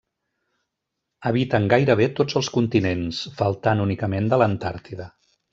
Habiten gairebé tots els continents, faltant únicament de l'Antàrtida.